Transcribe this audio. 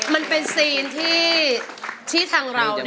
มันเป็นซีนที่ทางเรา